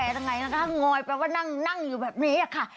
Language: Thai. เนี่ยก็ไม่จะแปลยังไงนะคะง้อยแปลว่านั่งอยู่แบบนี้อะค่ะ